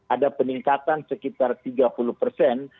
ada peningkatan sekitar tiga puluh persen